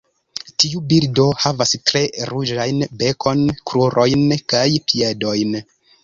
Tiu birdo havas tre ruĝajn bekon, krurojn kaj piedojn.